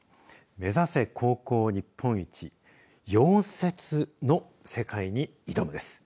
目指せ高校日本一溶接の世界に挑むです。